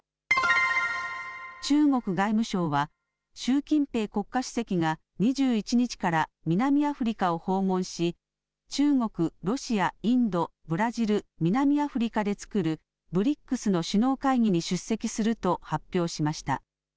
中国外務省は習近平国家主席が２１日から南アフリカを訪問し中国、ロシア、インド、ブラジル、南アフリカで作るＢＲＩＣＳの首脳会議に出席すると発表しました。